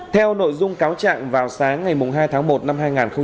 theo nội dung cáo trạng vào sáng ngày hai tháng một năm hai nghìn hai mươi